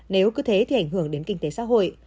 nếu cứ thế thì ảnh hưởng đến kinh tế xã hội